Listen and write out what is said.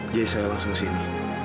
jadi saya langsung kesini